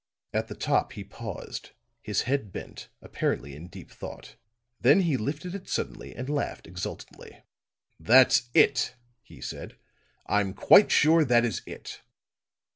At the top he paused, his head bent, apparently in deep thought. Then he lifted it suddenly, and laughed exultantly. "That's it," he said, "I'm quite sure that is it."